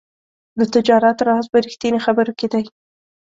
د تجارت راز په رښتیني خبرو کې دی.